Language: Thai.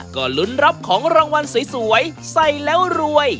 ก็ลุ้นรับของรางวัลสวยใส่แล้วรวย